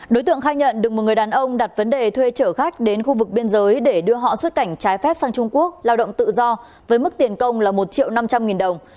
đối tượng khai nhận được một người đàn ông đặt vấn đề thuê chở khách đến khu vực biên giới để đưa họ xuất cảnh trái phép sang trung quốc lao động tự do với mức tiền công là một triệu năm trăm linh nghìn đồng